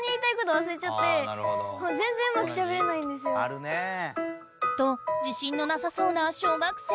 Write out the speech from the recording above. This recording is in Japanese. あるね。と自信のなさそうな小学生。